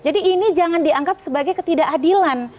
jadi ini jangan dianggap sebagai ketidakadilan